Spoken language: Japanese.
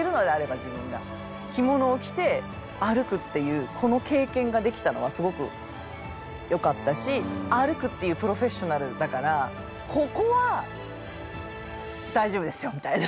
着物を着て歩くっていうこの経験ができたのはすごくよかったし歩くっていうプロフェッショナルだからここは大丈夫ですよみたいな。